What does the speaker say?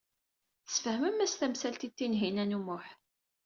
Tesfehmem-as tamsalt i Tinhinan u Muḥ.